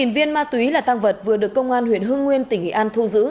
hai mươi bốn viên ma túy là tăng vật vừa được công an huyện hương nguyên tỉnh nghị an thu giữ